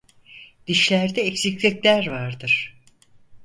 Dişlerde eksiklikler vardır.